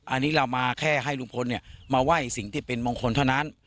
อันนี้เรามาแค่ให้ลุงพลมาไหว้สิ่งที่เป็นมงคลเท่านั้น